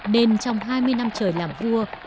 nên trong hai mươi năm trời làm vua